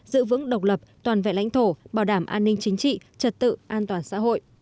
giữ vững độc lập toàn vẹn lãnh thổ bảo đảm an ninh chính trị trật tự an toàn xã hội